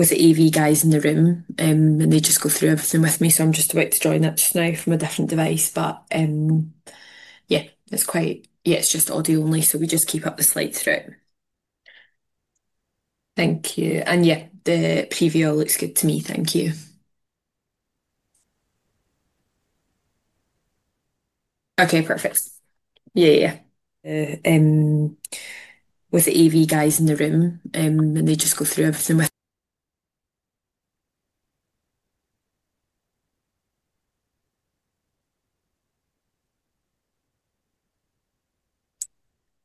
With the AV guys in the room, and they just go through everything with me, so I'm just about to join that just now from a different device. Yeah, it's quite—yeah, it's just audio only, so we just keep up the slides through. Thank you. Yeah, the preview all looks good to me. Thank you. Okay, perfect. Yeah, yeah, yeah. With the AV guys in the room, and they just go through everything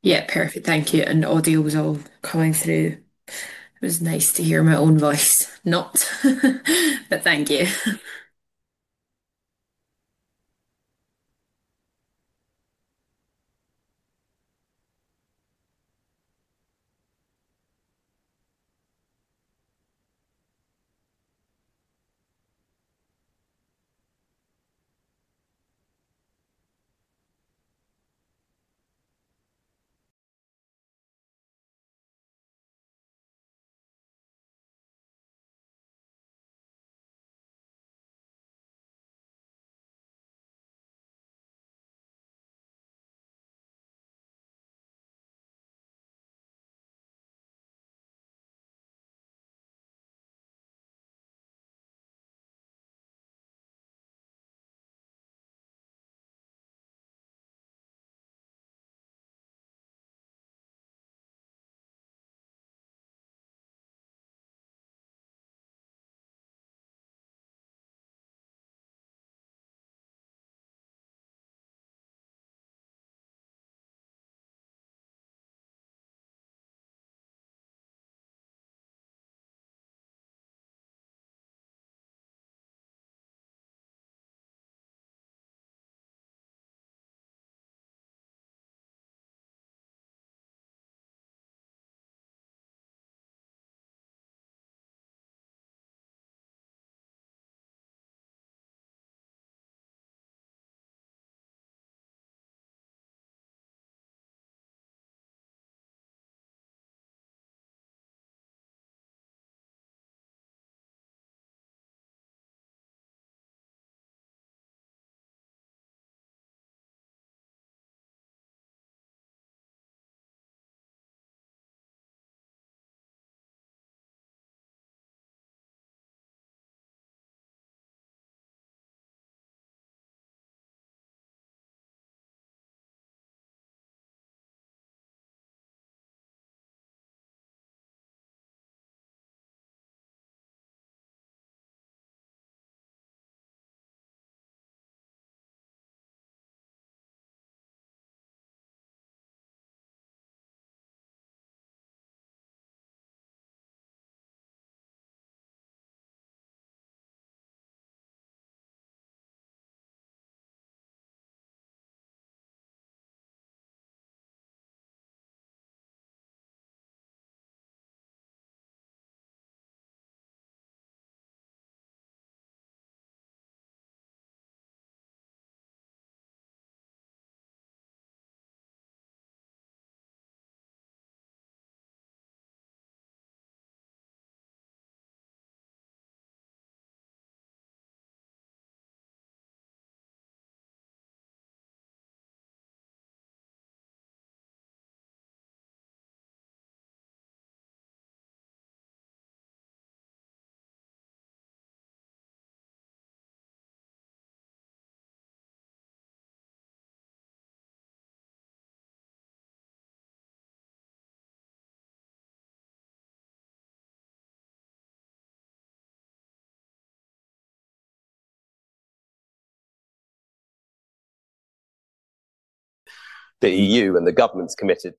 with—yeah, perfect. Thank you. Audio was all coming through. It was nice to hear my own voice, not, but thank you. The EU and the government's committed.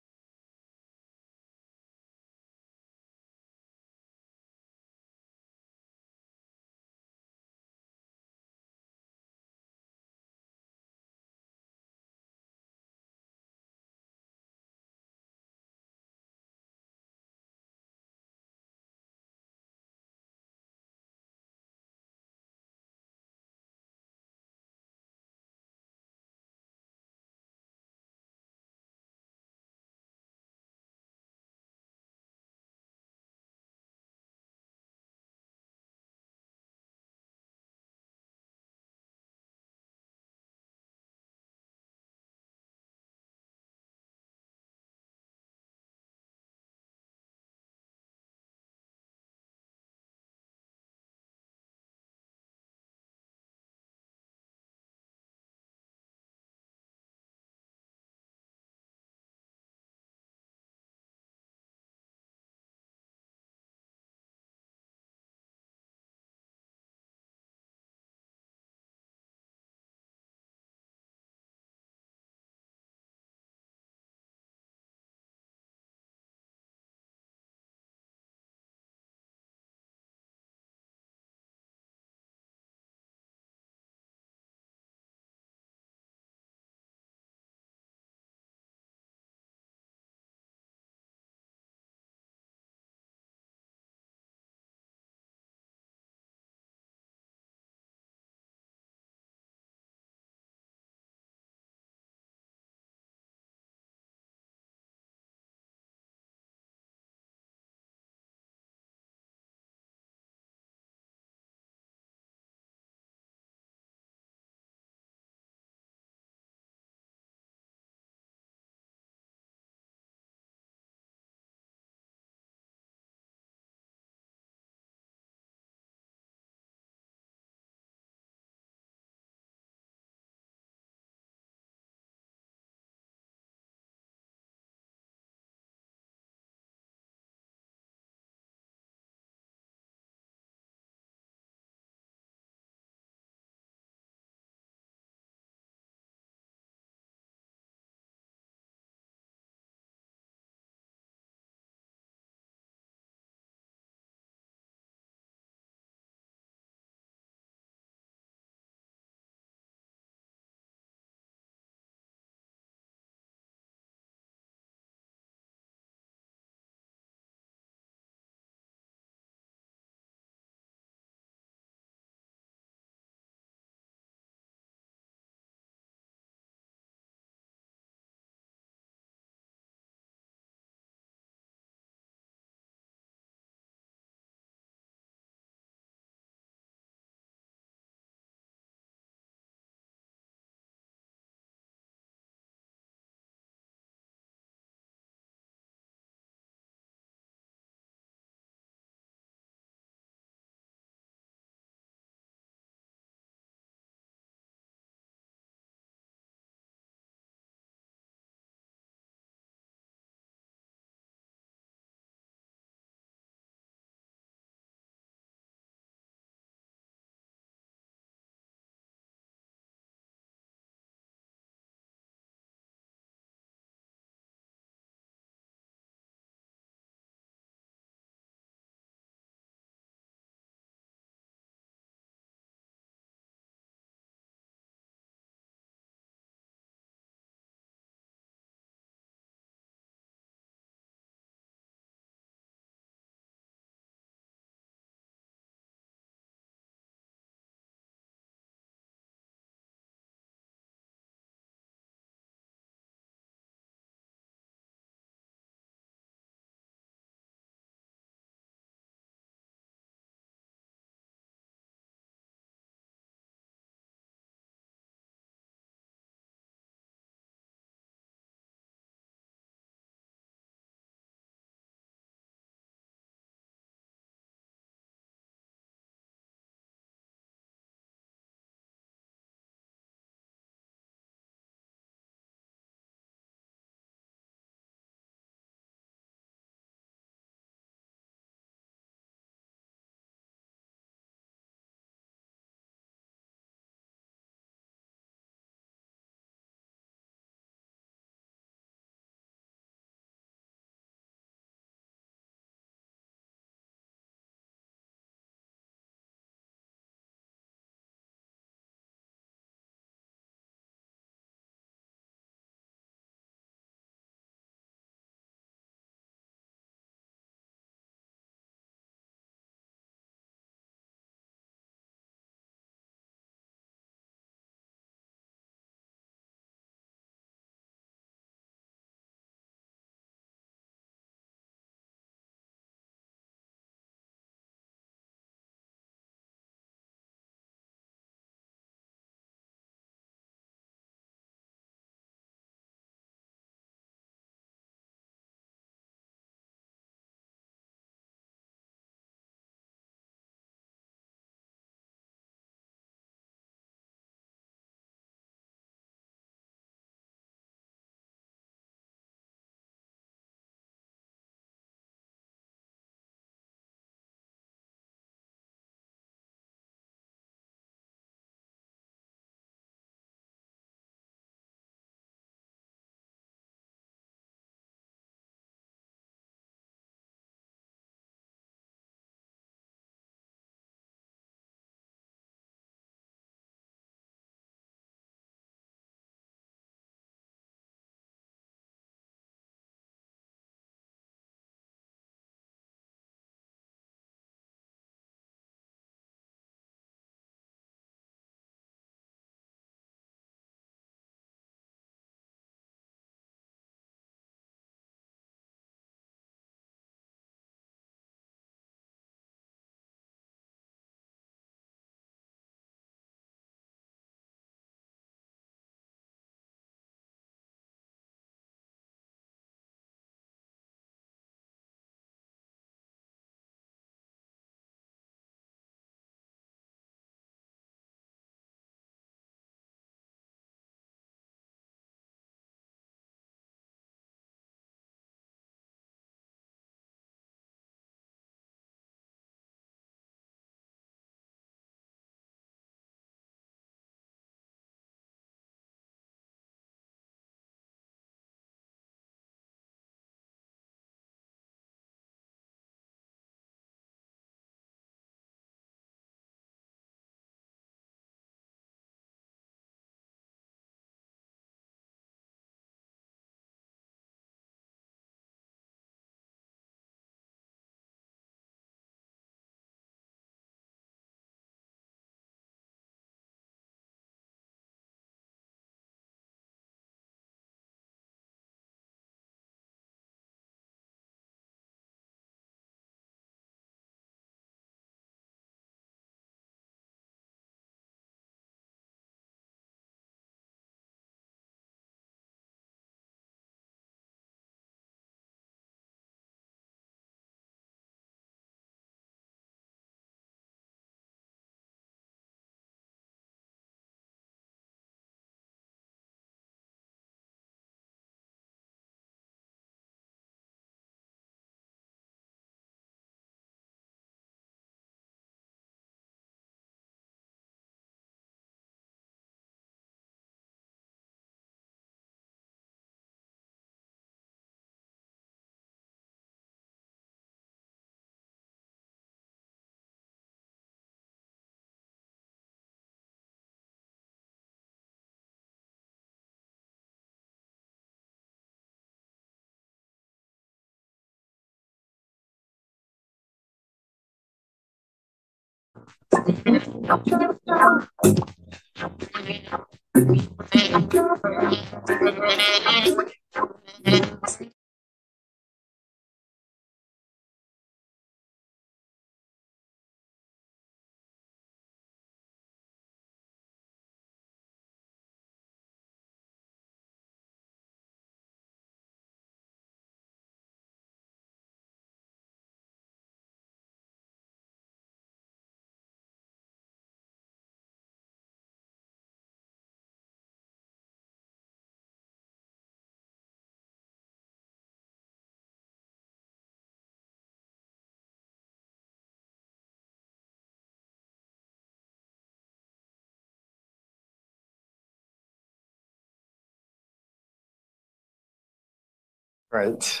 Right.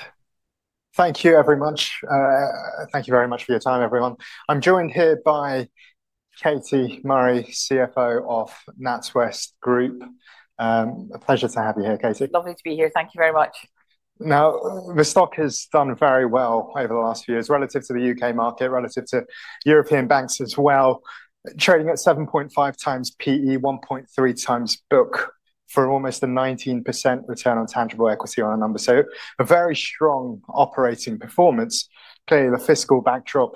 Thank you very much. Thank you very much for your time, everyone. I'm joined here by Katie Murray, CFO of NatWest Group. A pleasure to have you here, Katie. Lovely to be here. Thank you very much. Now, the stock has done very well over the last few years relative to the U.K. market, relative to European banks as well, trading at 7.5x P/E, 1.3x book for almost a 19% return on tangible equity on a number. A very strong operating performance. Clearly, the fiscal backdrop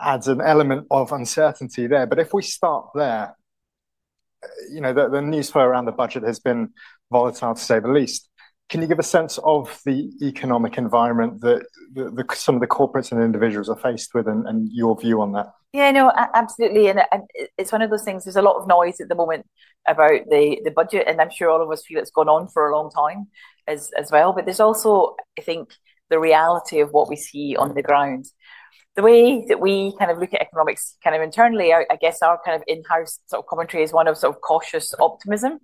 adds an element of uncertainty there. If we start there, you know, the news flow around the budget has been volatile, to say the least. Can you give a sense of the economic environment that some of the corporates and individuals are faced with and your view on that? Yeah, no, absolutely. It is one of those things. There is a lot of noise at the moment about the budget, and I am sure all of us feel it has gone on for a long time as well. There is also, I think, the reality of what we see on the ground. The way that we kind of look at economics, kind of internally, I guess our kind of in-house sort of commentary is one of sort of cautious optimism.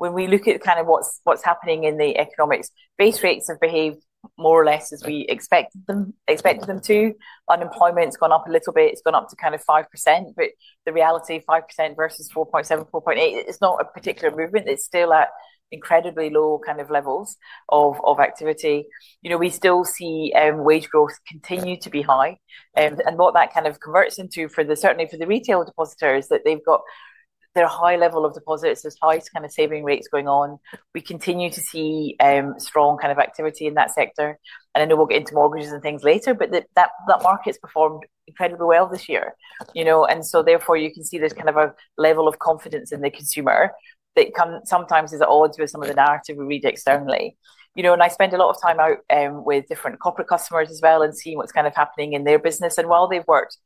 When we look at kind of what is happening in the economics, base rates have behaved more or less as we expected them to. Unemployment has gone up a little bit. It has gone up to kind of 5%. The reality, 5% versus 4.7, 4.8, it is not a particular movement. It is still at incredibly low kind of levels of activity. You know, we still see wage growth continue to be high. What that kind of converts into for the, certainly for the retail depositors, is that they've got their high level of deposits, as high as kind of saving rates going on. We continue to see strong kind of activity in that sector. I know we'll get into mortgages and things later, but that market's performed incredibly well this year, you know. Therefore, you can see there's kind of a level of confidence in the consumer that sometimes is at odds with some of the narrative we read externally. You know, I spend a lot of time out with different corporate customers as well and see what's kind of happening in their business. While they've worked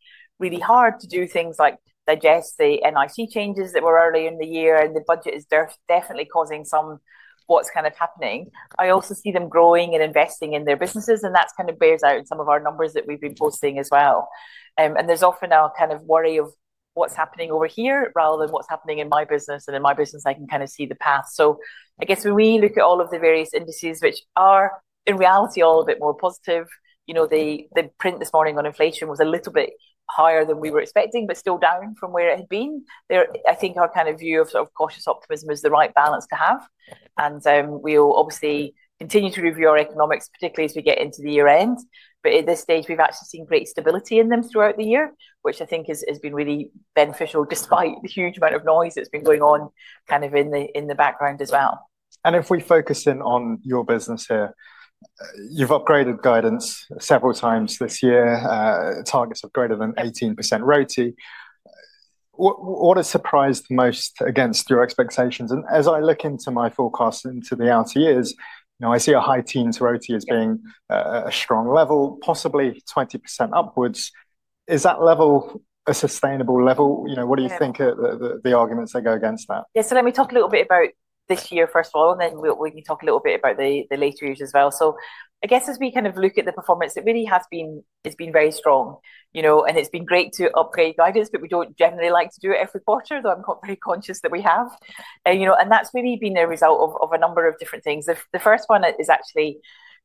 really hard to do things like digest the NIC changes that were early in the year and the budget is definitely causing some what's kind of happening, I also see them growing and investing in their businesses. That kind of bears out in some of our numbers that we've been posting as well. There's often a kind of worry of what's happening over here rather than what's happening in my business. In my business, I can kind of see the path. I guess when we look at all of the various indices, which are in reality all a bit more positive, you know, the print this morning on inflation was a little bit higher than we were expecting, but still down from where it had been. There, I think our kind of view of sort of cautious optimism is the right balance to have. We will obviously continue to review our economics, particularly as we get into the year-end. At this stage, we've actually seen great stability in them throughout the year, which I think has been really beneficial despite the huge amount of noise that's been going on kind of in the background as well. If we focus in on your business here, you've upgraded guidance several times this year. Targets have greater than 18% ROTCE. What has surprised most against your expectations? As I look into my forecast into the outer years, you know, I see a high teens ROTCE as being a strong level, possibly 20% upwards. Is that level a sustainable level? You know, what do you think of the arguments that go against that? Yeah. Let me talk a little bit about this year, first of all, and then we can talk a little bit about the later years as well. I guess as we kind of look at the performance, it really has been, it's been very strong, you know, and it's been great to upgrade guidance, but we don't generally like to do it every quarter, though I'm not very conscious that we have, you know, and that's really been a result of a number of different things. The first one is actually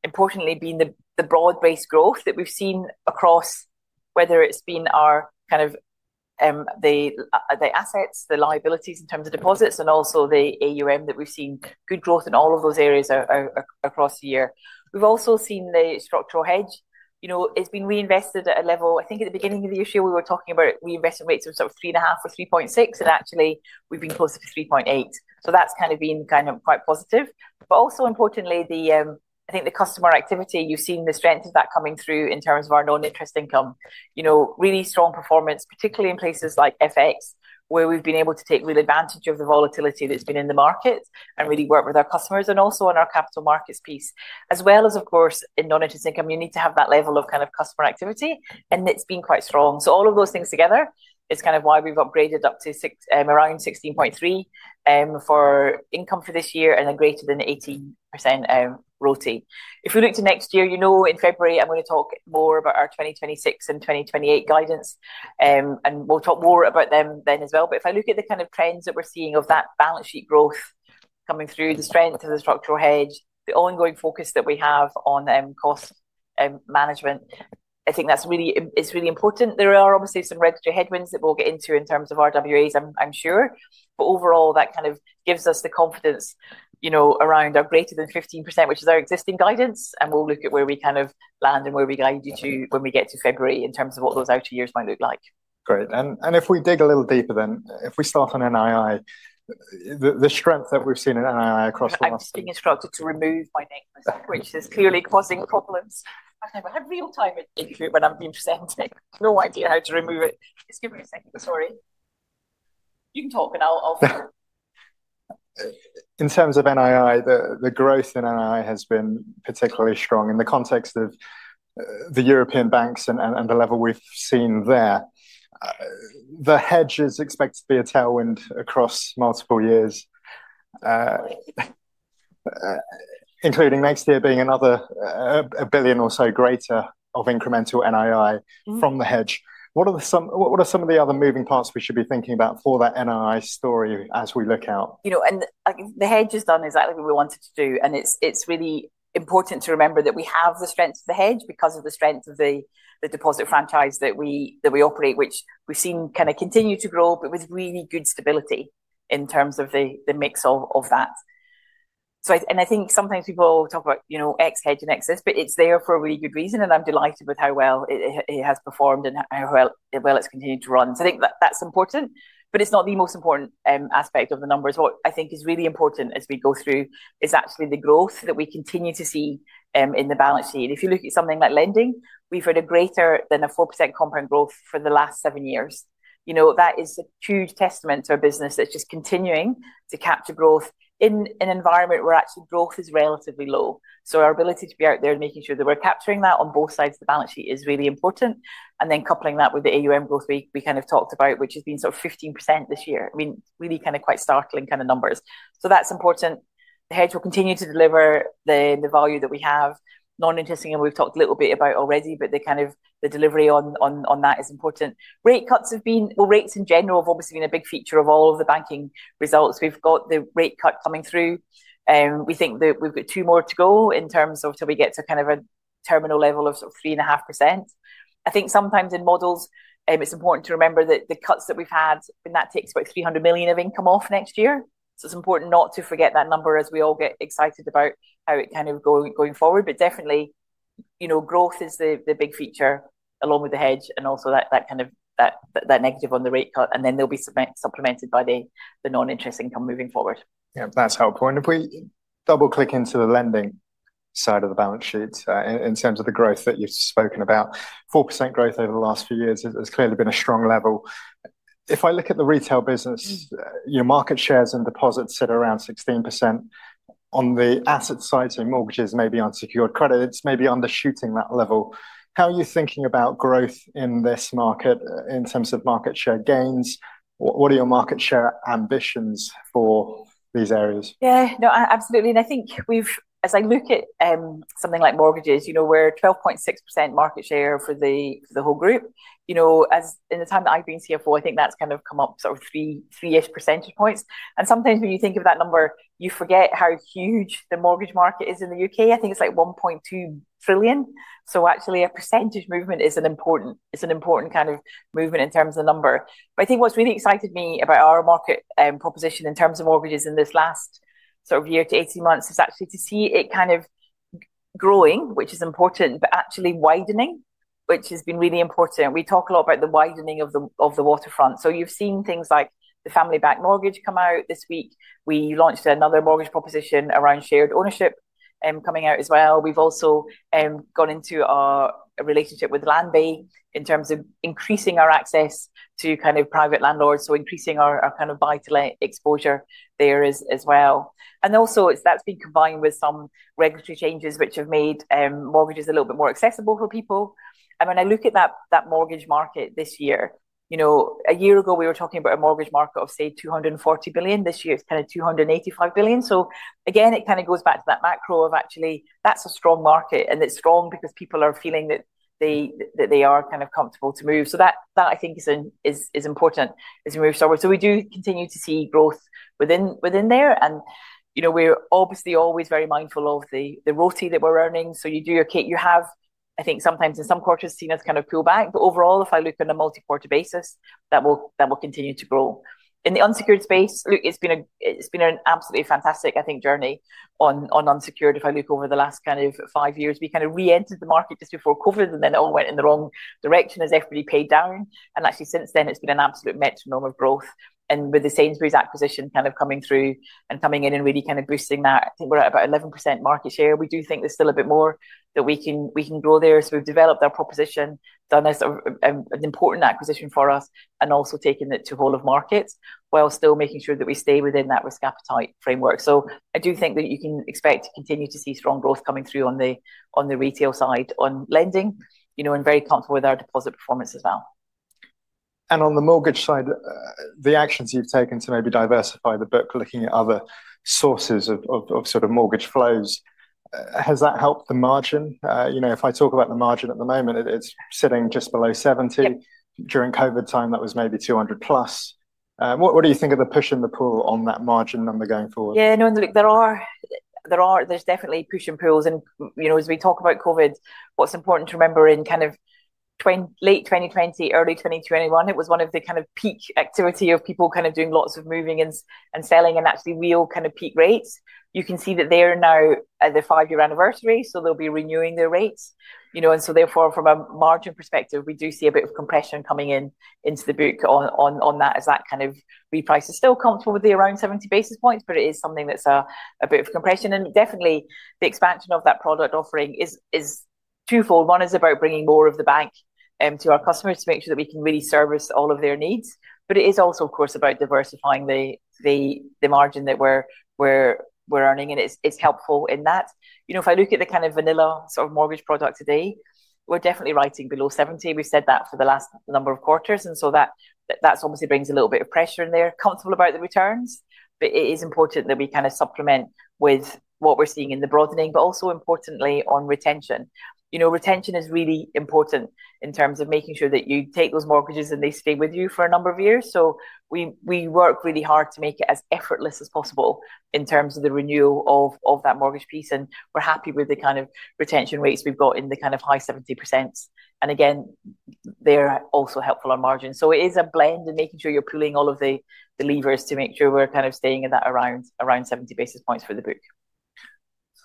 importantly being the broad-based growth that we've seen across, whether it's been our kind of the assets, the liabilities in terms of deposits, and also the AUM that we've seen good growth in all of those areas across the year. We've also seen the structural hedge, you know, it's been reinvested at a level. I think at the beginning of the issue, we were talking about reinvesting rates of sort of 3.5 or 3.6, and actually we've been closer to 3.8. That has been kind of quite positive. Also importantly, I think the customer activity, you've seen the strength of that coming through in terms of our non-interest income, you know, really strong performance, particularly in places like FX, where we've been able to take real advantage of the volatility that's been in the market and really work with our customers and also on our capital markets piece, as well as, of course, in non-interest income, you need to have that level of kind of customer activity, and it's been quite strong. All of those things together is kind of why we've upgraded up to around 16.3 billion for income for this year and then greater than 18% ROTCE. If we look to next year, you know, in February, I'm going to talk more about our 2026 and 2028 guidance, and we'll talk more about them then as well. If I look at the kind of trends that we're seeing of that balance sheet growth coming through, the strength of the structural hedge, the ongoing focus that we have on cost management, I think that's really, it's really important. There are obviously some regulatory headwinds that we'll get into in terms of RWAs, I'm sure. Overall, that kind of gives us the confidence, you know, around our greater than 15%, which is our existing guidance, and we'll look at where we kind of land and where we guide you to when we get to February in terms of what those outer years might look like. Great. If we dig a little deeper then, if we start on NII, the strength that we've seen in NII across the last. Being instructed to remove my necklace, which is clearly causing problems. I've never had real-time input when I'm being presented. No idea how to remove it. Just give me a second. Sorry. You can talk and I'll follow. In terms of NII, the growth in NII has been particularly strong in the context of the European banks and the level we've seen there. The hedge is expected to be a tailwind across multiple years, including next year being another £1 billion or so greater of incremental NII from the hedge. What are some of the other moving parts we should be thinking about for that NII story as we look out? You know, and the hedge has done exactly what we wanted to do. It is really important to remember that we have the strength of the hedge because of the strength of the deposit franchise that we operate, which we have seen kind of continue to grow, but with really good stability in terms of the mix of that. I think sometimes people talk about, you know, ex-hedge and ex-this, but it is there for a really good reason. I am delighted with how well it has performed and how well it has continued to run. I think that that's important, but it's not the most important aspect of the numbers. What I think is really important as we go through is actually the growth that we continue to see in the balance sheet. If you look at something like lending, we've heard a greater than 4% compound growth for the last seven years. You know, that is a huge testament to our business that's just continuing to capture growth in an environment where actually growth is relatively low. Our ability to be out there and making sure that we're capturing that on both sides of the balance sheet is really important. Then coupling that with the AUM growth we kind of talked about, which has been sort of 15% this year. I mean, really kind of quite startling kind of numbers. That's important. The hedge will continue to deliver the value that we have. Non-interesting, and we've talked a little bit about already, but the kind of delivery on that is important. Rate cuts have been, rates in general have obviously been a big feature of all of the banking results. We've got the rate cut coming through. We think that we've got two more to go in terms of till we get to kind of a terminal level of sort of 3.5%. I think sometimes in models, it's important to remember that the cuts that we've had, and that takes about 300 million of income off next year. It's important not to forget that number as we all get excited about how it kind of going forward. Definitely, you know, growth is the big feature along with the hedge and also that kind of that negative on the rate cut. They'll be supplemented by the non-interest income moving forward. Yeah, that's helpful. If we double-click into the lending side of the balance sheet in terms of the growth that you've spoken about, 4% growth over the last few years has clearly been a strong level. If I look at the retail business, your market shares in deposits sit around 16%. On the asset side to mortgages, maybe unsecured credit, it's maybe undershooting that level. How are you thinking about growth in this market in terms of market share gains? What are your market share ambitions for these areas? Yeah, no, absolutely. I think we've, as I look at something like mortgages, you know, we're 12.6% market share for the whole group. You know, as in the time that I've been CFO, I think that's kind of come up sort of three-ish percentage points. Sometimes when you think of that number, you forget how huge the mortgage market is in the U.K. I think it's like 1.2 trillion. Actually, a percentage movement is an important kind of movement in terms of the number. I think what's really excited me about our market proposition in terms of mortgages in this last sort of year to 18 months is actually to see it kind of growing, which is important, but actually widening, which has been really important. We talk a lot about the widening of the waterfront. You've seen things like the Family Back Mortgage come out this week. We launched another mortgage proposition around shared ownership coming out as well. We've also gone into our relationship with LandBay in terms of increasing our access to kind of private landlords. So increasing our kind of buy-to-let exposure there as well. Also, that's been combined with some regulatory changes which have made mortgages a little bit more accessible for people. When I look at that mortgage market this year, you know, a year ago we were talking about a mortgage market of, say, 240 billion. This year it's kind of 285 billion. Again, it kind of goes back to that macro of actually that's a strong market. It's strong because people are feeling that they are kind of comfortable to move. That, I think, is important as we move forward. We do continue to see growth within there. You know, we're obviously always very mindful of the rotate that we're earning. You do your kit, you have, I think sometimes in some quarters seen us kind of pull back. Overall, if I look on a multi-quarter basis, that will continue to grow. In the unsecured space, look, it's been an absolutely fantastic, I think, journey on unsecured. If I look over the last five years, we kind of re-entered the market just before COVID, and then it all went in the wrong direction as everybody paid down. Actually since then, it's been an absolute metronome of growth. With the Sainsbury's acquisition kind of coming through and coming in and really kind of boosting that, I think we're at about 11% market share. We do think there's still a bit more that we can grow there. We've developed our proposition, done an important acquisition for us, and also taken it to whole of markets while still making sure that we stay within that risk appetite framework. I do think that you can expect to continue to see strong growth coming through on the retail side on lending, you know, and very comfortable with our deposit performance as well. On the mortgage side, the actions you've taken to maybe diversify the book, looking at other sources of sort of mortgage flows, has that helped the margin? If I talk about the margin at the moment, it's sitting just below 70. During COVID time, that was maybe 200+. What do you think of the push and the pull on that margin number going forward? Yeah, no, look, there are definitely push and pulls. And, you know, as we talk about COVID, what's important to remember in kind of late 2020, early 2021, it was one of the kind of peak activity of people kind of doing lots of moving and selling and actually real kind of peak rates. You can see that they're now at the five-year anniversary, so they'll be renewing their rates. You know, and so therefore, from a margin perspective, we do see a bit of compression coming in into the book on that as that kind of reprice is still comfortable with the around 70 basis points, but it is something that's a bit of compression. And definitely the expansion of that product offering is twofold. One is about bringing more of the bank to our customers to make sure that we can really service all of their needs. It is also, of course, about diversifying the margin that we're earning. It is helpful in that. You know, if I look at the kind of vanilla sort of mortgage product today, we're definitely writing below 70. We've said that for the last number of quarters. That obviously brings a little bit of pressure in there. Comfortable about the returns, but it is important that we kind of supplement with what we're seeing in the broadening, but also importantly on retention. You know, retention is really important in terms of making sure that you take those mortgages and they stay with you for a number of years. We work really hard to make it as effortless as possible in terms of the renewal of that mortgage piece. We're happy with the kind of retention rates we've got in the high 70%. Again, they're also helpful on margin. It is a blend and making sure you're pulling all of the levers to make sure we're staying in that around 70 basis points for the book.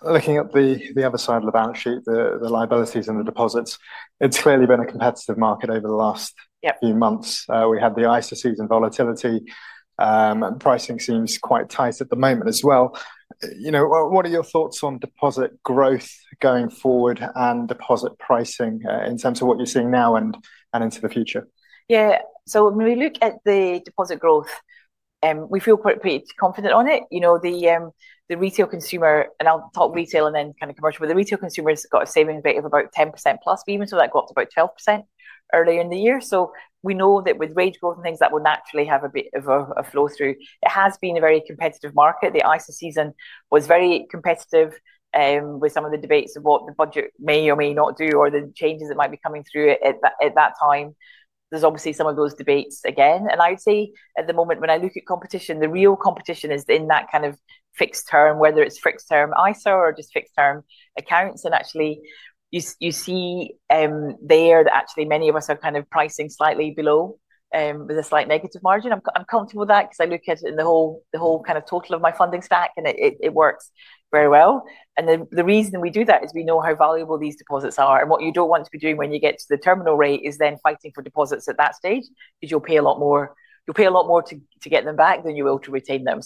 Looking at the other side of the balance sheet, the liabilities and the deposits, it's clearly been a competitive market over the last few months. We had the ISA season volatility. Pricing seems quite tight at the moment as well. You know, what are your thoughts on deposit growth going forward and deposit pricing in terms of what you're seeing now and into the future? Yeah, so when we look at the deposit growth, we feel quite confident on it. You know, the retail consumer, and I'll talk retail and then kind of commercial, but the retail consumer has got a saving rate of about 10%+, even so that got to about 12% earlier in the year. We know that with wage growth and things that will naturally have a bit of a flow through, it has been a very competitive market. The ISA season was very competitive with some of the debates of what the budget may or may not do or the changes that might be coming through at that time. There are obviously some of those debates again. I would say at the moment when I look at competition, the real competition is in that kind of fixed term, whether it's fixed term ISA or just fixed term accounts. You see there that actually many of us are kind of pricing slightly below with a slight negative margin. I'm comfortable with that because I look at it in the whole, the whole kind of total of my funding stack, and it works very well. The reason we do that is we know how valuable these deposits are. What you do not want to be doing when you get to the terminal rate is then fighting for deposits at that stage because you'll pay a lot more. You'll pay a lot more to get them back than you will to retain them.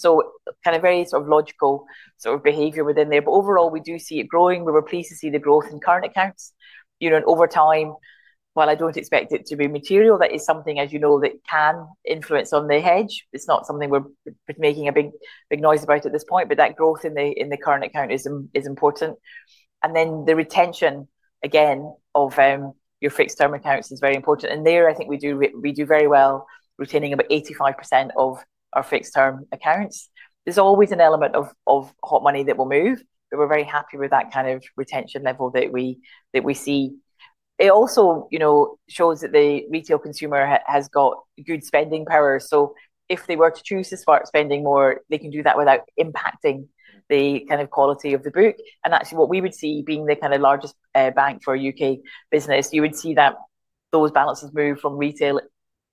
Kind of very sort of logical sort of behavior within there. Overall, we do see it growing. We were pleased to see the growth in current accounts, you know, and over time, while I don't expect it to be material, that is something, as you know, that can influence on the hedge. It's not something we're making a big big noise about at this point, but that growth in the current account is important. The retention, again, of your fixed term accounts is very important. There, I think we do very well retaining about 85% of our fixed term accounts. There's always an element of hot money that will move, but we're very happy with that kind of retention level that we see. It also, you know, shows that the retail consumer has got good spending power. If they were to choose to start spending more, they can do that without impacting the kind of quality of the book. Actually, what we would see being the kind of largest bank for a U.K. business, you would see that those balances move from retail,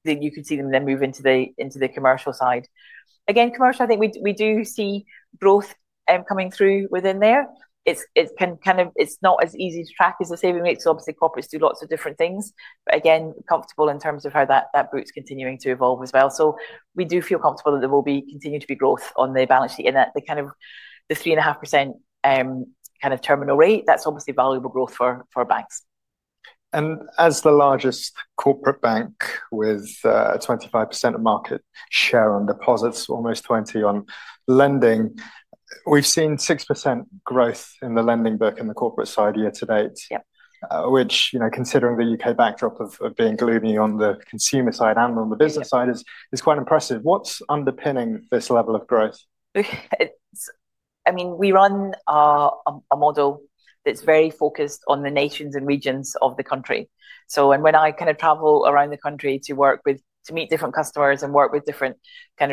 then you could see them then move into the commercial side. Again, commercial, I think we do see growth coming through within there. It's kind of it's not as easy to track as the saving rates. Obviously, corporates do lots of different things, but again, comfortable in terms of how that book's continuing to evolve as well. We do feel comfortable that there will continue to be growth on the balance sheet in that the kind of the 3.5% kind of terminal rate, that's obviously valuable growth for banks. As the largest corporate bank with a 25% market share on deposits, almost 20% on lending, we've seen 6% growth in the lending book in the corporate side year-to-date, which, you know, considering the U.K. backdrop of being gloomy on the consumer side and on the business side, is quite impressive. What's underpinning this level of growth? I mean, we run a model that's very focused on the nations and regions of the country. When I kind of travel around the country to meet different customers and work with different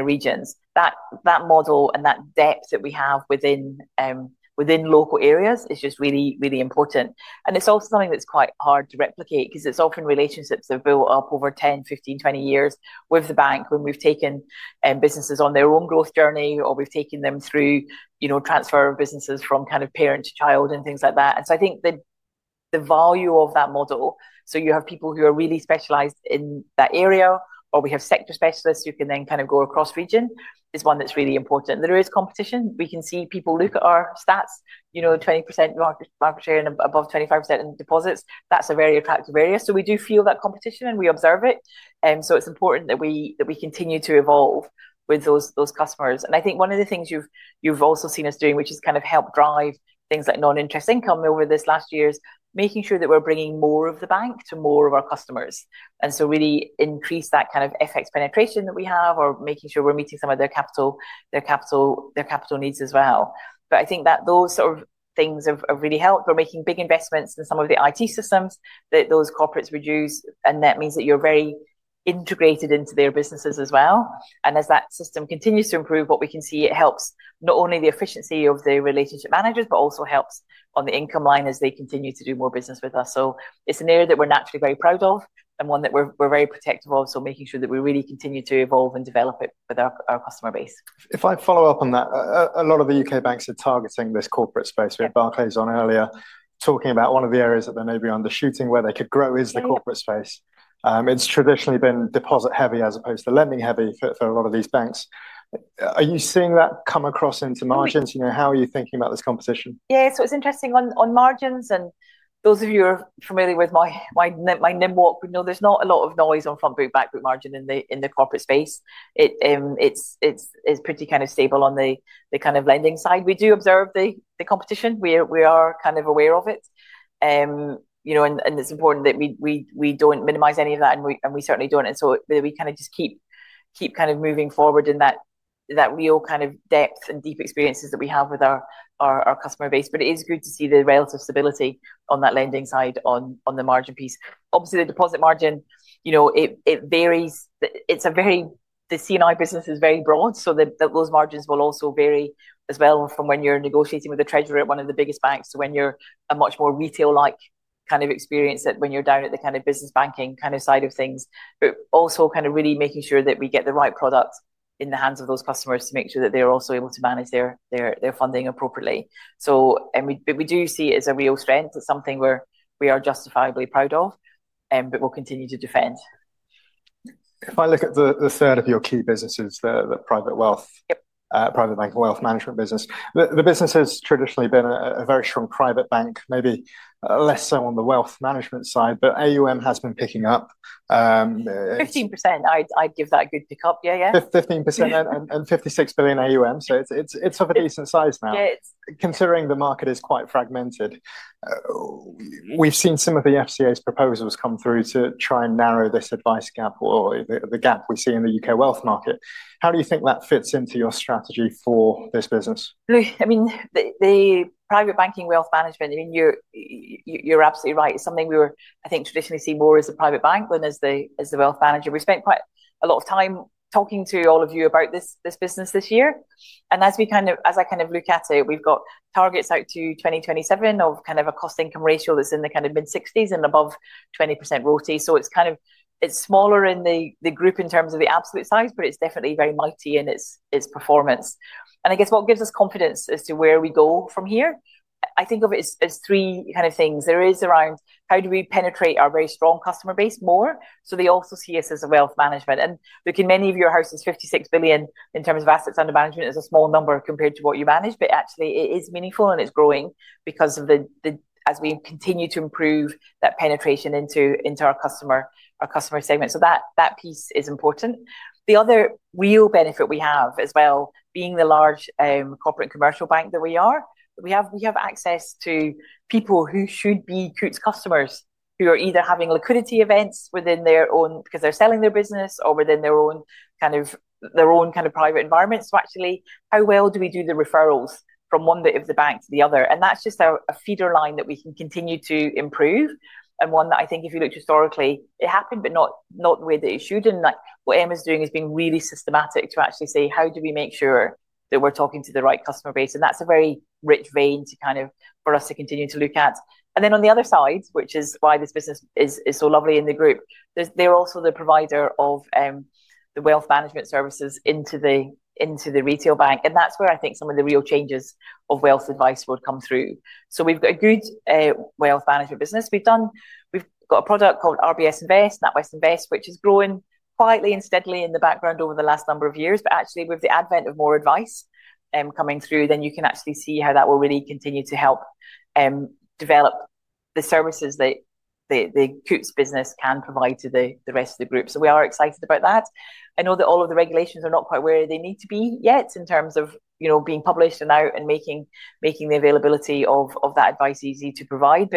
regions, that model and that depth that we have within local areas is just really, really important. It's also something that's quite hard to replicate because it's often relationships that build up over 10, 15, 20 years with the bank when we've taken businesses on their own growth journey or we've taken them through, you know, transfer of businesses from kind of parent to child and things like that. I think the value of that model, so you have people who are really specialized in that area or we have sector specialists who can then kind of go across region, is one that's really important. There is competition. We can see people look at our stats, you know, 20% market share and above 25% in deposits. That's a very attractive area. We do feel that competition and we observe it. It's important that we continue to evolve with those customers. I think one of the things you've also seen us doing, which has kind of helped drive things like non-interest income over this last year, is making sure that we're bringing more of the bank to more of our customers. We really increase that kind of FX penetration that we have or making sure we're meeting some of their capital, their capital needs as well. I think that those sort of things have really helped. We're making big investments in some of the IT systems that those corporates use, and that means that you're very integrated into their businesses as well. As that system continues to improve, what we can see is it helps not only the efficiency of the relationship managers, but also helps on the income line as they continue to do more business with us. It's an area that we're naturally very proud of and one that we're very protective of. Making sure that we really continue to evolve and develop it with our customer base. If I follow up on that, a lot of the U.K. banks are targeting this corporate space. We had Barclays on earlier talking about one of the areas that they're maybe undershooting where they could grow is the corporate space. It's traditionally been deposit heavy as opposed to lending heavy for a lot of these banks. Are you seeing that come across into margins? You know, how are you thinking about this competition? Yeah, it's interesting on margins, and those of you who are familiar with my NIM walk, you know, there's not a lot of noise on front boot, back boot margin in the corporate space. It's pretty kind of stable on the kind of lending side. We do observe the competition. We are kind of aware of it, you know, and it's important that we don't minimize any of that, and we certainly don't. We kind of just keep moving forward in that real kind of depth and deep experiences that we have with our customer base. It is good to see the relative stability on that lending side on the margin piece. Obviously, the deposit margin, you know, it varies. The CNI business is very broad, so those margins will also vary as well from when you're negotiating with the treasurer at one of the biggest banks to when you're a much more retail-like kind of experience, when you're down at the kind of business banking kind of side of things. Also, really making sure that we get the right product in the hands of those customers to make sure that they're also able to manage their funding appropriately. We do see it as a real strength. It's something we are justifiably proud of, but we'll continue to defend. If I look at the third of your key businesses, the private wealth, private bank wealth management business, the business has traditionally been a very strong private bank, maybe less so on the wealth management side, but AUM has been picking up. 15%, I'd give that a good pickup. Yeah, yeah. 15% and 56 billion AUM. So it's of a decent size now. Considering the market is quite fragmented, we've seen some of the FCA's proposals come through to try and narrow this advice gap or the gap we see in the U.K. wealth market. How do you think that fits into your strategy for this business? Look, I mean, the private banking wealth management, I mean, you're absolutely right. It's something we were, I think, traditionally see more as a private bank than as the wealth manager. We spent quite a lot of time talking to all of you about this business this year. As I kind of look at it, we've got targets out to 2027 of a cost income ratio that's in the mid-60s and above 20% royalty. It's smaller in the group in terms of the absolute size, but it's definitely very mighty in its performance. I guess what gives us confidence as to where we go from here, I think of it as three things. There is around how do we penetrate our very strong customer base more so they also see us as a wealth management. Look, in many of your houses, 56 billion in terms of AUM is a small number compared to what you manage, but actually it is meaningful and it's growing because, as we continue to improve that penetration into our customer segment, that piece is important. The other real benefit we have as well, being the large corporate commercial bank that we are, we have access to people who should be Coutts customers who are either having liquidity events within their own because they're selling their business or within their own kind of private environment. Actually, how well do we do the referrals from one bit of the bank to the other? That's just a feeder line that we can continue to improve and one that I think if you look historically, it happened, but not the way that it should. Like what Emma's doing has been really systematic to actually say, how do we make sure that we're talking to the right customer base? That's a very rich vein for us to continue to look at. On the other side, which is why this business is so lovely in the group, they're also the provider of the wealth management services into the retail bank. That's where I think some of the real changes of wealth advice would come through. We've got a good wealth management business. We've done we've got a product called RBS Invest, NatWest Invest, which is growing quietly and steadily in the background over the last number of years. Actually, with the advent of more advice coming through, you can actually see how that will really continue to help develop the services that the the Coutts business can provide to the the rest of the group. We are excited about that. I know that all of the regulations are not quite where they need to be yet in terms of, you know, being published and out and making the availability of of that advice easy to provide.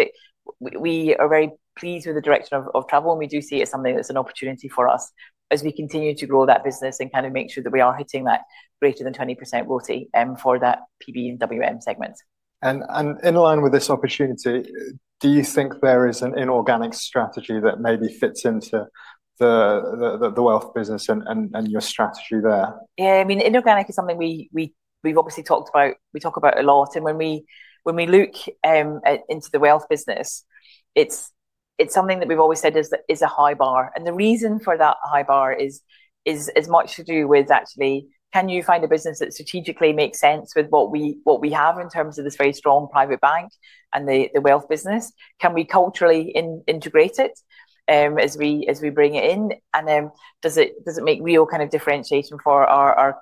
We are very pleased with the direction of travel, and we do see it as something that's an opportunity for us as we continue to grow that business and kind of make sure that we are hitting that greater than 20% royalty for that PB and WM segment. In line with this opportunity, do you think there is an inorganic strategy that maybe fits into the wealth business and your strategy there? Yeah, I mean, inorganic is something we've obviously talked about. We talk about it a lot. When we look into the wealth business, it's something that we've always said is a high bar. The reason for that high bar is as much to do with actually, can you find a business that strategically makes sense with what we have in terms of this very strong private bank and the wealth business? Can we culturally integrate it as we bring it in? Does it make real kind of differentiation for our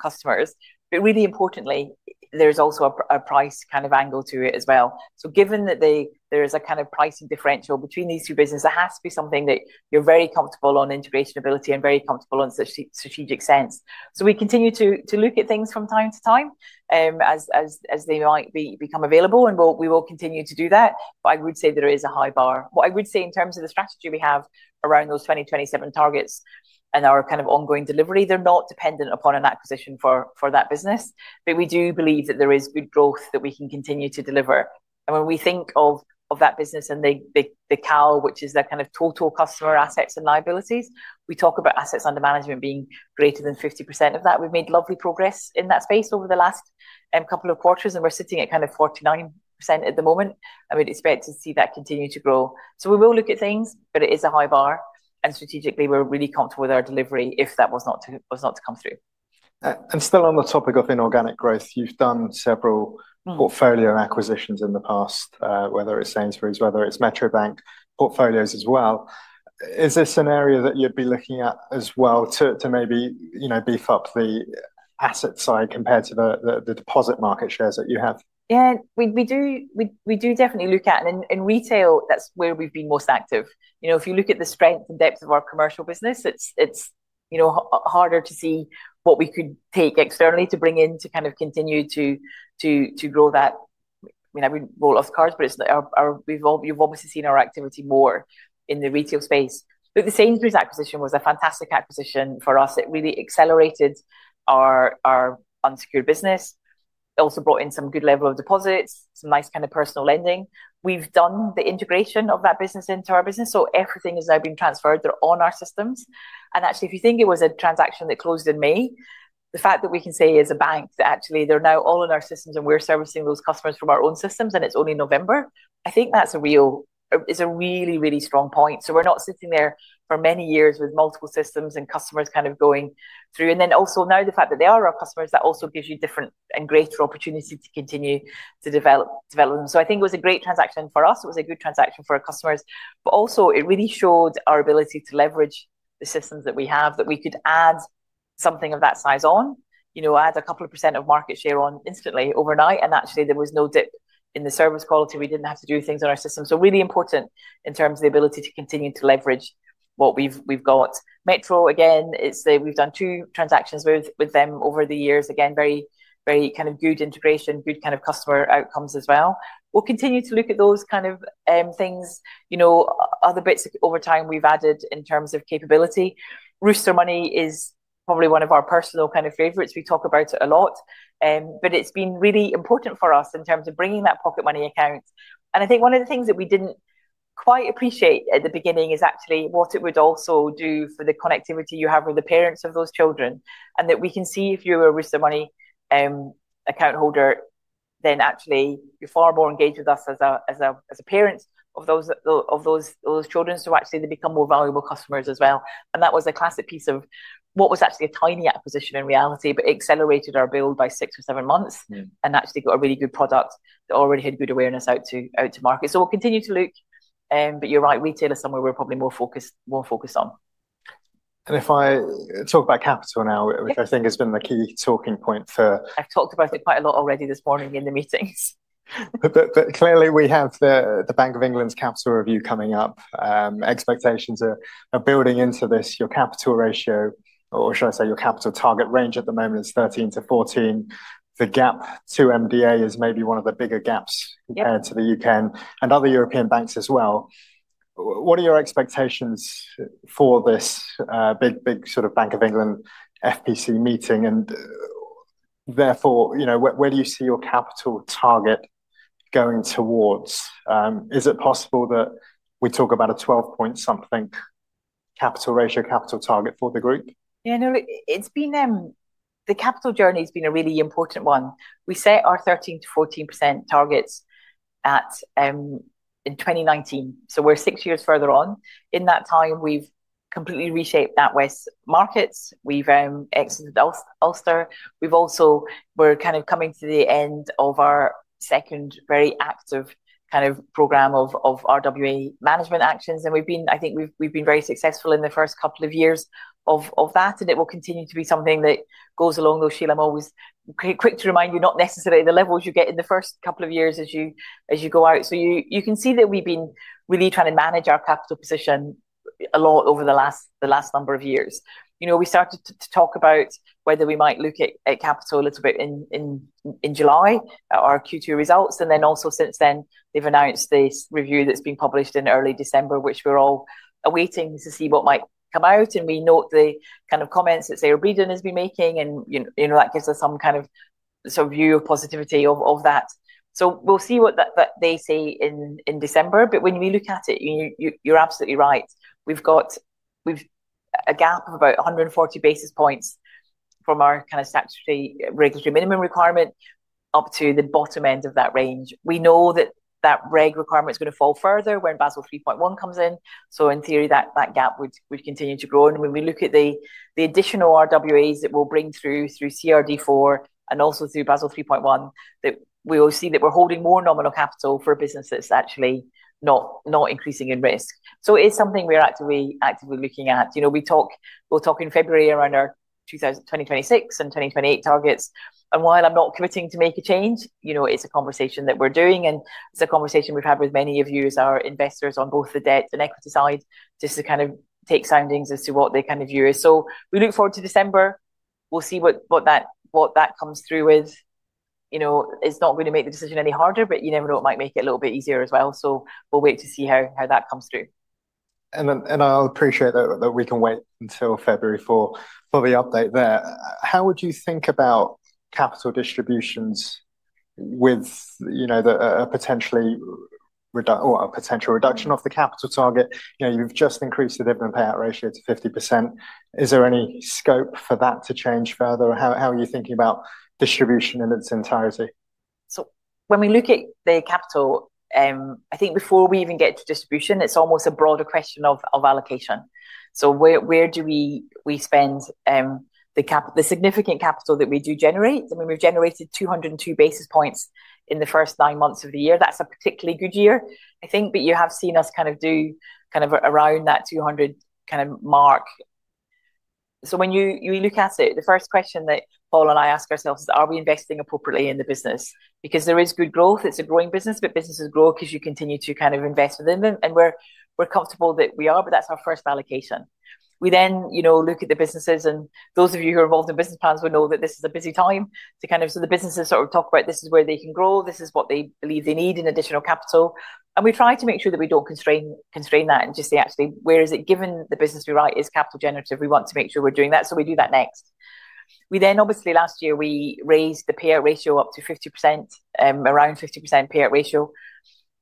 customers? Really importantly, there is also a price kind of angle to it as well. Given that there is a kind of pricing differential between these two businesses, there has to be something that you're very comfortable on integration ability and very comfortable on strategic sense. We continue to look at things from time to time as they might become available, and we will continue to do that. I would say there is a high bar. What I would say in terms of the strategy we have around those 2027 targets and our kind of ongoing delivery, they're not dependent upon an acquisition for that business, but we do believe that there is good growth that we can continue to deliver. When we think of that business and the CAL, which is the kind of total customer assets and liabilities, we talk about assets under management being greater than 50% of that. We've made lovely progress in that space over the last couple of quarters, and we're sitting at kind of 49% at the moment. I mean, it's better to see that continue to grow. We will look at things, but it is a high bar. Strategically, we're really comfortable with our delivery if that was not to come through. Still on the topic of inorganic growth, you've done several portfolio acquisitions in the past, whether it's Sainsbury's, whether it's Metro Bank portfolios as well. Is this an area that you'd be looking at as well to maybe, you know, beef up the asset side compared to the deposit market shares that you have? Yeah, we do definitely look at it. In retail, that's where we've been most active. You know, if you look at the strength and depth of our commercial business, it's harder to see what we could take externally to bring in to kind of continue to grow that. I mean, I wouldn't roll off cards, but we've all, you've obviously seen our activity more in the retail space. The Sainsbury's acquisition was a fantastic acquisition for us. It really accelerated our unsecured business. It also brought in some good level of deposits, some nice kind of personal lending. We've done the integration of that business into our business, so everything has now been transferred. They're on our systems. Actually, if you think it was a transaction that closed in May, the fact that we can say as a bank that actually they're now all in our systems and we're servicing those customers from our own systems and it's only November, I think that's a really, really strong point. We're not sitting there for many years with multiple systems and customers kind of going through. Now the fact that they are our customers, that also gives you different and greater opportunity to continue to develop them. I think it was a great transaction for us. It was a good transaction for our customers, but also it really showed our ability to leverage the systems that we have, that we could add something of that size on, you know, add a couple of percent of market share on instantly overnight. Actually, there was no dip in the service quality. We did not have to do things on our system. Really important in terms of the ability to continue to leverage what we have got. Metro, again, we have done two transactions with them over the years. Again, very good integration, good customer outcomes as well. We'll continue to look at those kind of things, you know, other bits over time we've added in terms of capability. Rooster Money is probably one of our personal kind of favorites. We talk about it a lot, but it's been really important for us in terms of bringing that pocket money account. I think one of the things that we didn't quite appreciate at the beginning is actually what it would also do for the connectivity you have with the parents of those children and that we can see if you're a Rooster Money account holder, then actually you're far more engaged with us as a parent of those children. Actually, they become more valuable customers as well. That was a classic piece of what was actually a tiny acquisition in reality, but it accelerated our build by six or seven months and actually got a really good product that already had good awareness out to market. We will continue to look, but you're right, retail is somewhere we're probably more focused on. If I talk about capital now, which I think has been the key talking point for, I have talked about it quite a lot already this morning in the meetings. Clearly we have the Bank of England's capital review coming up. Expectations are building into this, your capital ratio, or should I say your capital target range at the moment is 13-14. The gap to MDA is maybe one of the bigger gaps compared to the U.K. and other European banks as well. What are your expectations for this big, big sort of Bank of England FPC meeting? Therefore, you know, where do you see your capital target going towards? Is it possible that we talk about a 12 point something capital ratio capital target for the group? Yeah, no, the capital journey has been a really important one. We set our 13%-14% targets in 2019. We are six years further on. In that time, we have completely reshaped NatWest markets. We have exited Ulster. We are kind of coming to the end of our second very active kind of program of RWA management actions. We have been, I think we have been very successful in the first couple of years of that. It will continue to be something that goes along those lines. I'm always quick to remind you not necessarily the levels you get in the first couple of years as you go out. You can see that we've been really trying to manage our capital position a lot over the last number of years. You know, we started to talk about whether we might look at capital a little bit in July or Q2 results. Also, since then, they've announced this review that's been published in early December, which we're all awaiting to see what might come out. We note the kind of comments that Sarah Breeden has been making. You know, that gives us some kind of sort of view of positivity of that. We'll see what they see in December. When we look at it, you're absolutely right. We've got a gap of about 140 basis points from our kind of statutory regulatory minimum requirement up to the bottom end of that range. We know that that reg requirement is going to fall further when Basel 3.1 comes in. In theory, that gap would continue to grow. When we look at the additional RWAs that we'll bring through CRD IV and also through Basel 3.1, we will see that we're holding more nominal capital for a business that's actually not increasing in risk. It is something we're actively looking at. You know, we talk, we'll talk in February around our 2026 and 2028 targets. While I'm not committing to make a change, you know, it's a conversation that we're doing. It's a conversation we've had with many of you as our investors on both the debt and equity side just to kind of take soundings as to what they kind of view is. We look forward to December. We'll see what that comes through with. You know, it's not going to make the decision any harder, but you never know. It might make it a little bit easier as well. We will wait to see how that comes through. I'll appreciate that we can wait until February for the update there. How would you think about capital distributions with, you know, a potentially or a potential reduction of the capital target? You know, you've just increased the dividend payout ratio to 50%. Is there any scope for that to change further? How are you thinking about distribution in its entirety? When we look at the capital, I think before we even get to distribution, it's almost a broader question of allocation. Where do we spend the capital, the significant capital that we do generate? I mean, we've generated 202 basis points in the first nine months of the year. That's a particularly good year, I think. You have seen us do kind of around that 200 mark. When you look at it, the first question that Paul and I ask ourselves is, are we investing appropriately in the business? There is good growth. It's a growing business, but businesses grow because you continue to invest within them. We're comfortable that we are, but that's our first allocation. We then, you know, look at the businesses. Those of you who are involved in business plans would know that this is a busy time to kind of, so the businesses sort of talk about this is where they can grow. This is what they believe they need in additional capital. We try to make sure that we do not constrain that and just say, actually, where is it given the business we write is capital generative? We want to make sure we are doing that. We do that next. Obviously, last year we raised the payout ratio up to 50%, around 50% payout ratio.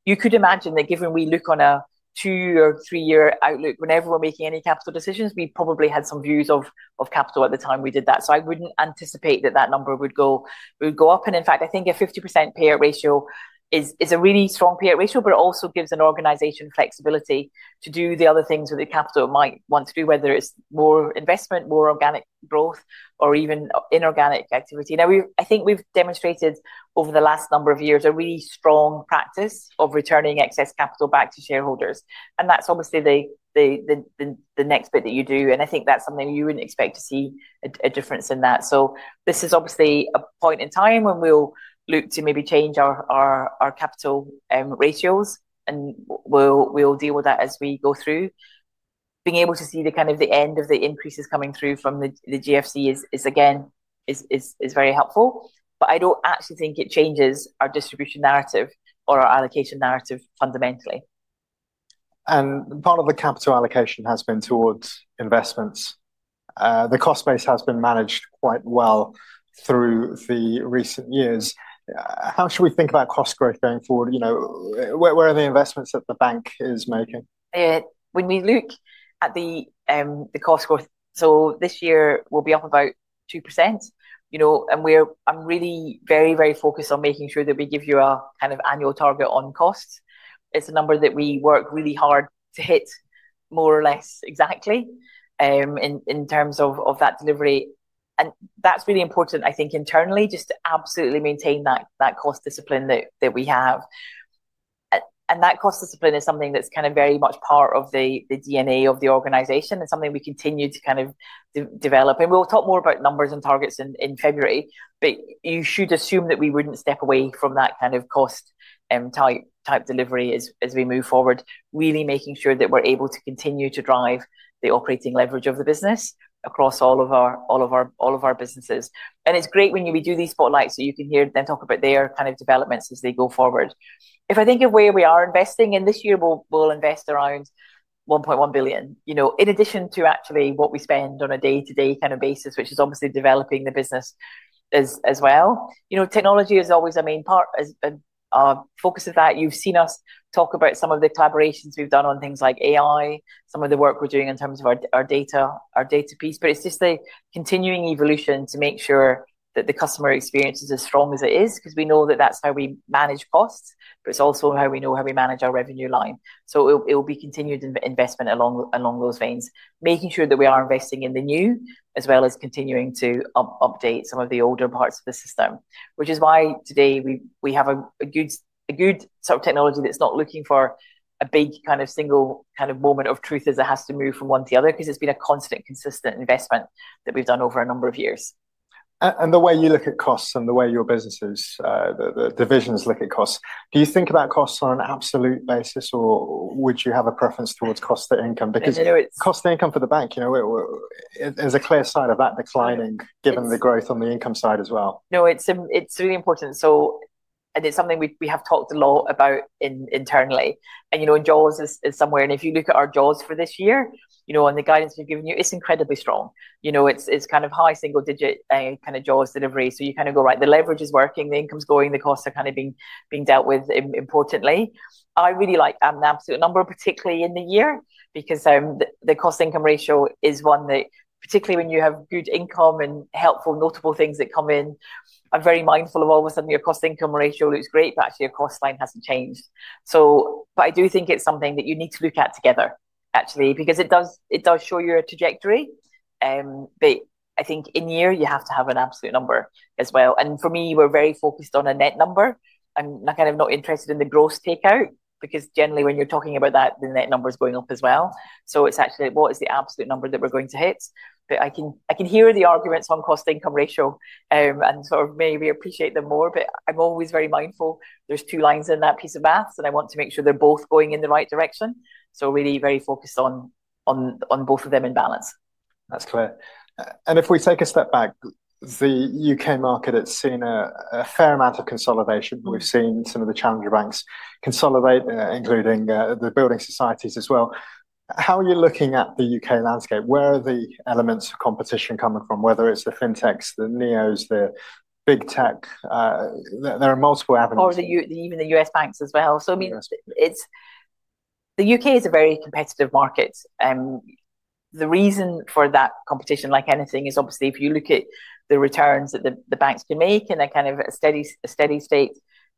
You could imagine that given we look on a two or three year outlook, whenever we are making any capital decisions, we probably had some views of capital at the time we did that. I would not anticipate that that number would go up. I think a 50% payout ratio is a really strong payout ratio, but it also gives an organization flexibility to do the other things that the capital might want to do, whether it's more investment, more organic growth, or even inorganic activity. I think we've demonstrated over the last number of years a really strong practice of returning excess capital back to shareholders. That's obviously the next bit that you do. I think that's something you wouldn't expect to see a difference in. This is obviously a point in time when we'll look to maybe change our capital ratios. We'll deal with that as we go through. Being able to see the end of the increases coming through from the GFC is very helpful. I do not actually think it changes our distribution narrative or our allocation narrative fundamentally. Part of the capital allocation has been towards investments. The cost base has been managed quite well through recent years. How should we think about cost growth going forward? You know, where are the investments that the bank is making? When we look at the cost growth, this year we will be up about 2%. You know, I am really very, very focused on making sure that we give you our kind of annual target on costs. It is a number that we work really hard to hit more or less exactly in terms of that delivery. That is really important, I think, internally, just to absolutely maintain that cost discipline that we have. That cost discipline is something that's kind of very much part of the DNA of the organization and something we continue to kind of develop. We'll talk more about numbers and targets in February, but you should assume that we wouldn't step away from that kind of cost type delivery as we move forward, really making sure that we're able to continue to drive the operating leverage of the business across all of our businesses. It's great when we do these spotlights so you can hear them talk about their kind of developments as they go forward. If I think of where we are investing in this year, we'll invest around 1.1 billion, you know, in addition to actually what we spend on a day-to-day kind of basis, which is obviously developing the business as well. You know, technology is always a main part and our focus of that. You've seen us talk about some of the collaborations we've done on things like AI, some of the work we're doing in terms of our data, our data piece. It's just the continuing evolution to make sure that the customer experience is as strong as it is because we know that that's how we manage costs, but it's also how we know how we manage our revenue line. It will be continued investment along those veins, making sure that we are investing in the new as well as continuing to update some of the older parts of the system, which is why today we have a good sort of technology that's not looking for a big kind of single kind of moment of truth as it has to move from one to the other because it's been a constant, consistent investment that we've done over a number of years. The way you look at costs and the way your businesses, the divisions look at costs, do you think about costs on an absolute basis or would you have a preference towards cost to income? Because cost to income for the bank, you know, there's a clear sign of that declining given the growth on the income side as well. No, it's really important. It's something we have talked a lot about internally. You know, jaws is somewhere. If you look at our jaws for this year, you know, on the guidance we've given you, it's incredibly strong. You know, it's kind of high single digit kind of jaws delivery. You kind of go right. The leverage is working. The income's going. The costs are kind of being dealt with importantly. I really like an absolute number, particularly in the year, because the cost income ratio is one that, particularly when you have good income and helpful notable things that come in, I'm very mindful of. All of a sudden your cost income ratio looks great, but actually your cost line hasn't changed. I do think it's something that you need to look at together, actually, because it does show you a trajectory. I think in year you have to have an absolute number as well. For me, we're very focused on a net number. I'm kind of not interested in the gross takeout because generally when you're talking about that, the net number is going up as well. It's actually what is the absolute number that we're going to hit? I can hear the arguments on cost income ratio and sort of maybe appreciate them more, but I'm always very mindful there's two lines in that piece of maths and I want to make sure they're both going in the right direction. Really very focused on both of them in balance. That's clear. If we take a step back, the U.K. market has seen a fair amount of consolidation. We've seen some of the challenger banks consolidate, including the building societies as well. How are you looking at the U.K. landscape? Where are the elements of competition coming from, whether it's the fintechs, the neos, the big tech? There are multiple avenues. Even the U.S. banks as well. I mean, the U.K. is a very competitive market. The reason for that competition, like anything, is obviously if you look at the returns that the banks can make in a kind of a steady state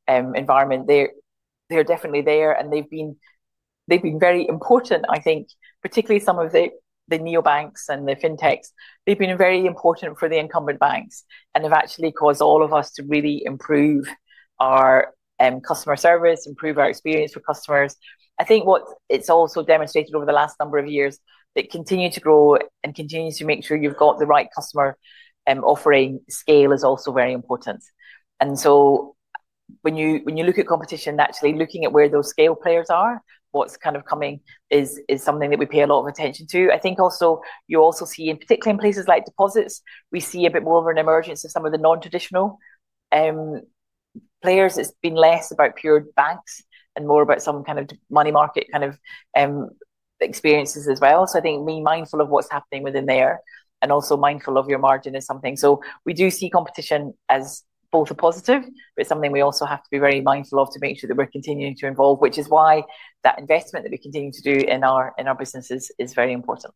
environment, they're definitely there. They've been very important, I think, particularly some of the neobanks and the fintechs. They've been very important for the incumbent banks and have actually caused all of us to really improve our customer service, improve our experience for customers. I think what it's also demonstrated over the last number of years that continue to grow and continue to make sure you've got the right customer offering scale is also very important. When you look at competition, actually looking at where those scale players are, what's kind of coming is something that we pay a lot of attention to. I think also you also see, in particular in places like deposits, we see a bit more of an emergence of some of the non-traditional players. It's been less about pure banks and more about some kind of money market kind of experiences as well. I think being mindful of what's happening within there and also mindful of your margin is something. We do see competition as both a positive, but it's something we also have to be very mindful of to make sure that we're continuing to involve, which is why that investment that we continue to do in our businesses is very important.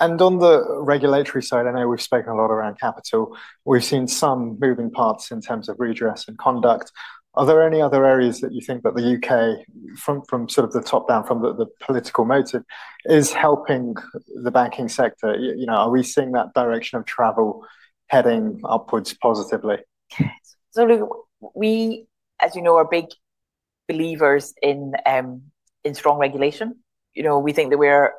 On the regulatory side, I know we've spoken a lot around capital. We've seen some moving parts in terms of redress and conduct. Are there any other areas that you think that the U.K., from sort of the top down, from the political motive, is helping the banking sector? You know, are we seeing that direction of travel heading upwards positively? We, as you know, are big believers in strong regulation. We think that we're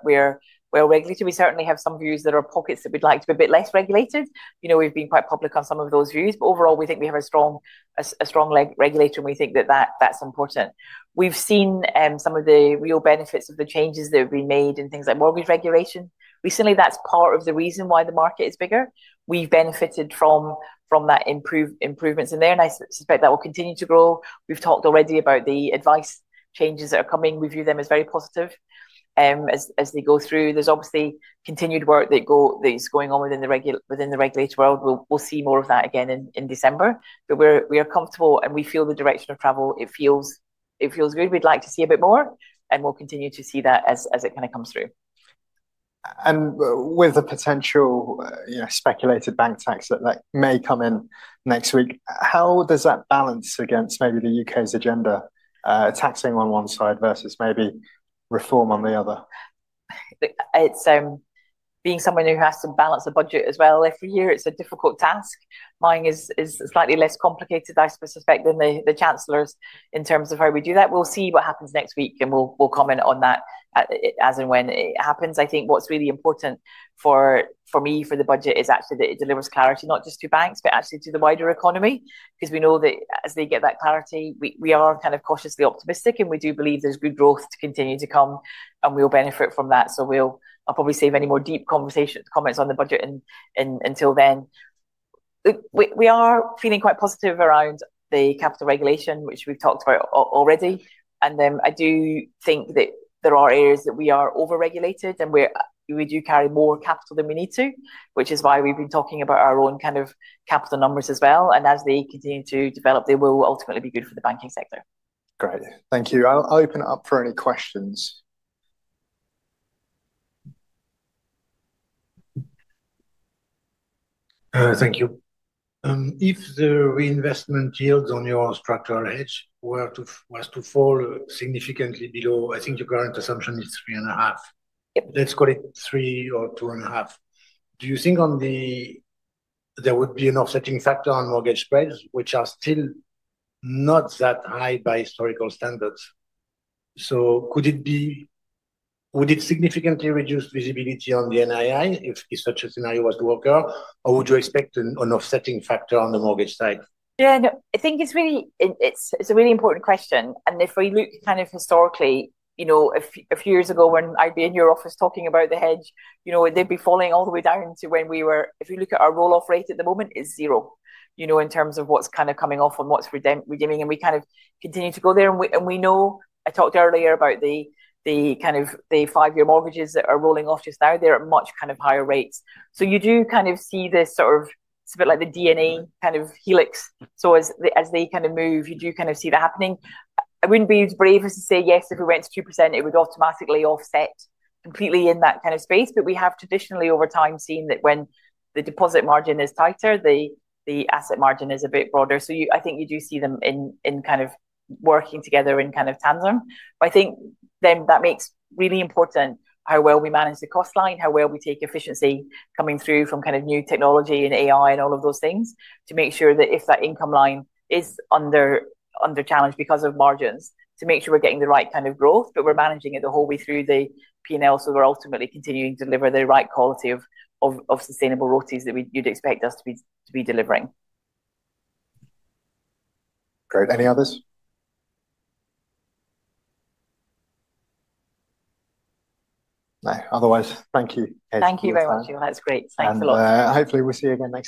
regulated. We certainly have some views that are pockets that we'd like to be a bit less regulated. You know, we've been quite public on some of those views. Overall, we think we have a strong regulator, and we think that that's important. We've seen some of the real benefits of the changes that have been made in things like mortgage regulation. Recently, that's part of the reason why the market is bigger. We've benefited from that, improvements in there, and I suspect that will continue to grow. We've talked already about the advice changes that are coming. We view them as very positive as they go through. There's obviously continued work that is going on within the regulatory world. We'll see more of that again in December. We're comfortable, and we feel the direction of travel, it feels good. We'd like to see a bit more, and we'll continue to see that as it kind of comes through. With the potential, you know, speculated bank tax that may come in next week, how does that balance against maybe the U.K.'s agenda, taxing on one side versus maybe reform on the other? Being someone who has to balance the budget as well, if we hear it's a difficult task, mine is slightly less complicated, I suspect, than the Chancellor's in terms of how we do that. We'll see what happens next week, and we'll comment on that as and when it happens. I think what's really important for me, for the budget, is actually that it delivers clarity, not just to banks, but actually to the wider economy, because we know that as they get that clarity, we are kind of cautiously optimistic, and we do believe there's good growth to continue to come, and we'll benefit from that. I'll probably save any more deep conversation comments on the budget until then. We are feeling quite positive around the capital regulation, which we've talked about already. I do think that there are areas that we are overregulated, and we do carry more capital than we need to, which is why we've been talking about our own kind of capital numbers as well. As they continue to develop, they will ultimately be good for the banking sector. Great. Thank you. I'll open it up for any questions. Thank you. If the reinvestment yields on your structural hedge were to fall significantly below, I think your current assumption is three and a half. Let's call it three or two and a half. Do you think there would be an offsetting factor on mortgage spreads, which are still not that high by historical standards? Could it significantly reduce visibility on the NII if such a scenario was to occur, or would you expect an offsetting factor on the mortgage side? Yeah, I think it's a really important question. If we look kind of historically, you know, a few years ago when I'd be in your office talking about the hedge, you know, they'd be falling all the way down to when we were, if you look at our roll-off rate at the moment, it is zero, you know, in terms of what's kind of coming off and what's redeeming. We kind of continue to go there. I talked earlier about the kind of the five-year mortgages that are rolling off just now. They're at much kind of higher rates. You do kind of see this sort of, it's a bit like the DNA kind of helix. As they kind of move, you do kind of see that happening. I wouldn't be as brave as to say yes, if we went to 2%, it would automatically offset completely in that kind of space. But we have traditionally, over time, seen that when the deposit margin is tighter, the asset margin is a bit broader. So you, I think you do see them in kind of working together in kind of tandem. I think that makes really important how well we manage the cost line, how well we take efficiency coming through from kind of new technology and AI and all of those things to make sure that if that income line is under challenge because of margins, to make sure we're getting the right kind of growth, but we're managing it the whole way through the P&L so we're ultimately continuing to deliver the right quality of sustainable royalties that you'd expect us to be delivering. Great. Any others? No. Otherwise, thank you. Thank you very much. That's great. Thanks a lot. Hopefully, we'll see you again next week.